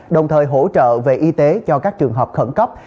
đồng thời hỗ trợ về y tế cho các trường hợp khẩn cấp